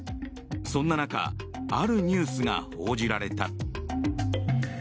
そんな中あるニュースが報じられた。